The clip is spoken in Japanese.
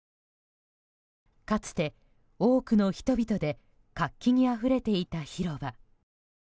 かつて多くの人々で活気にあふれていた広場。